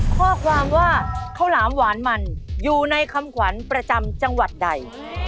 ข้อความว่าข้าวหลามหวานมันอยู่ในคำขวัญประจำจังหวัดใด